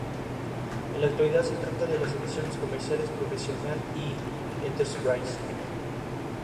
Es una experta en el combate cuerpo a cuerpo y con armas láser.